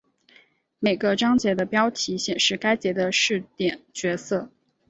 每个章节的标题显示该节的视点角色。